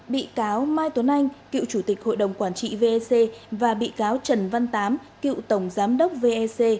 bị cáo mai tuấn anh cựu chủ tịch hội đồng quản trị vec và bị cáo trần văn tám cựu tổng giám đốc vec